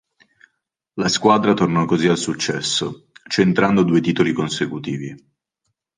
La squadra tornò così al successo, centrando due titoli consecutivi.